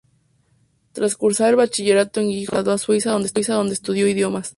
Tras cursar el bachillerato en Gijón, se trasladó a Suiza, donde estudió idiomas.